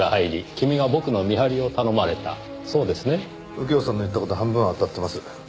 右京さんの言った事半分は当たってます。